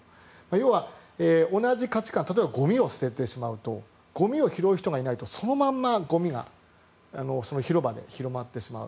要は同じ価値観例えばゴミを捨ててしまうとゴミを拾う人がいないとそのまま、ゴミがその広場に広まってしまう。